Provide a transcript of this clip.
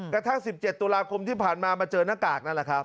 กระทั่ง๑๗ตุลาคมที่ผ่านมามาเจอหน้ากากนั่นแหละครับ